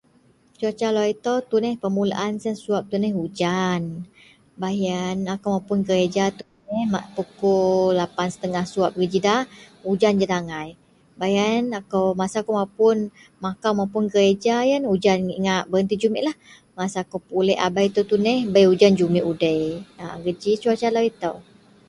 Cuaca lau itou tuneh permulaan siyen suwab tuneh ujan. Baih yen akou mapun gereja tuneh bak pukul lapan set ngah suwab geji da, ujan jed angai. Baih yen akou masa akou mapun makau mapun gereja yen ujan ngak bereti jumiklah. Masa kou bak pulek abei itou tuneh bei ujan jumik udei. A geji Cuaca lau itou